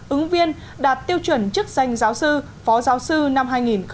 ứng viên đạt tiêu chuẩn chức danh giáo sư phó giáo sư năm hai nghìn một mươi